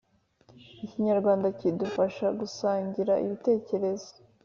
Ikinyarwanda kidufasha gusangira ibitekerezo